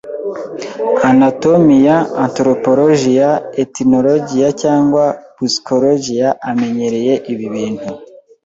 anatomiya, antropologiya, etnologiya cyangwa psychologiya amenyereye ibi bintu.